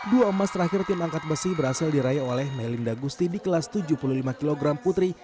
dua emas terakhir tim angkat besi berhasil diraih oleh melinda gusti di kelas tujuh puluh lima kg putri